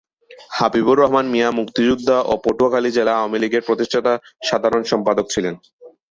হাবিবুর রহমান মিয়া মুক্তিযুদ্ধা ও পটুয়াখালী জেলা আওয়ামী লীগের প্রতিষ্ঠাতা সাধারণ সম্পাদক ছিলেন।